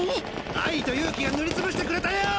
愛と勇気が塗り潰してくれたよ！